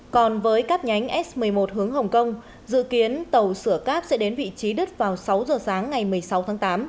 còn với cáp nhánh s một mươi một hướng hồng kông dự kiến tàu sửa cáp sẽ đến vị trí đứt vào sáu giờ sáng ngày một mươi sáu tháng tám